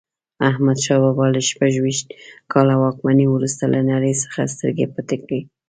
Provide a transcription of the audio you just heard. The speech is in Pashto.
احمدشاه بابا له شپږویشت کاله واکمنۍ وروسته له نړۍ څخه سترګې پټې کړې.